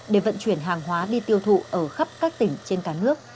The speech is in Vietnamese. để vận chuyển hàng hóa đi tiêu thụ ở khắp các tỉnh trên cả nước